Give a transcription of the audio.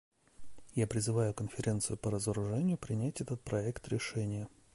Я призываю Конференцию по разоружению принять этот проект решения.